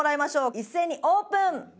一斉にオープン！